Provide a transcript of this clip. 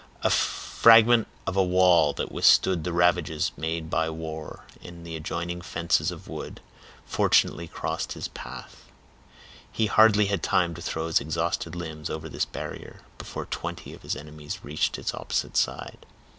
A fragment of a wall, that had withstood the ravages made by war in the adjoining fences of wood, fortunately crossed his path. He hardly had time to throw his exhausted limbs over this barrier, before twenty of his enemies reached its opposite side.